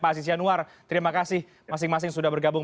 pak aziz yanuar terima kasih masing masing sudah bergabung